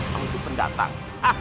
kamu itu pendatang